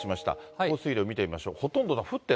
降水量見てみましょう。